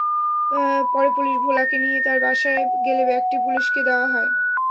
পরে পুলিশ ভোলাকে নিয়ে তাঁর বাসায় গেলে ব্যাগটি পুলিশকে দেওয়া হয়।